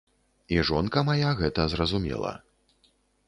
І жонка мая гэта зразумела.